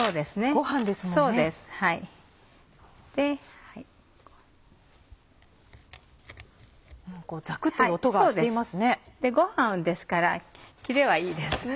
ごはんですから切れはいいです。